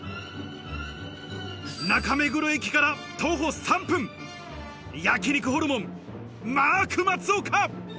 中目黒駅から徒歩３分、「焼肉ホルモンマーク松岡」。